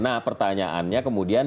nah pertanyaannya kemudian